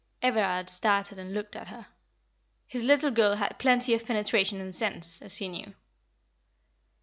Everard started and looked at her. His little girl had plenty of penetration and sense, as he knew.